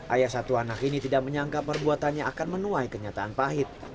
ayah satu anak ini tidak menyangka perbuatannya akan menuai kenyataan pahit